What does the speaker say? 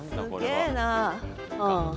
すげえな。